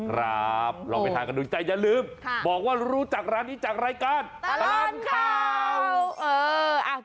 ครับลองไปทานกันดูใจอย่าลืมบอกว่ารู้จักร้านนี้จากรายการตลอดข่าว